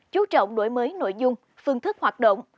chú trọng đổi mới nội dung phương thức hoạt động